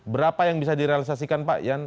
berapa yang bisa direalisasikan pak yan